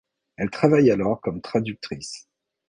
Elle travaille alors comme traductrice.